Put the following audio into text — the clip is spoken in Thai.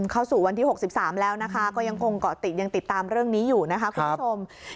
เข้าสู่วันที่๖๓แล้วนะคะก็ยังคงเกาะติดยังติดตามเรื่องนี้อยู่นะคะคุณผู้ชม